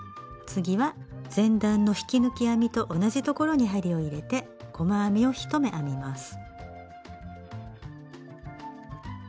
次は前段の引き抜き編みと同じところに針を入れて細編みを１目編みます。